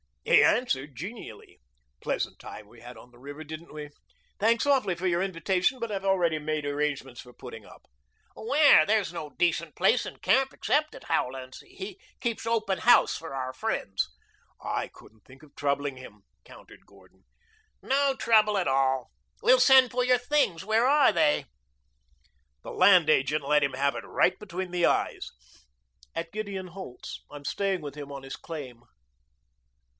He answered genially. "Pleasant time we had on the river, didn't we? Thanks awfully for your invitation, but I've already made arrangements for putting up." "Where? There's no decent place in camp except at Howland's. He keeps open house for our friends." "I couldn't think of troubling him," countered Gordon. "No trouble at all. We'll send for your things. Where are they?" The land agent let him have it right between the eyes. "At Gideon Holt's. I'm staying with him on his claim."